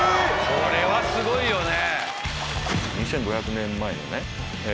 これはすごいよね！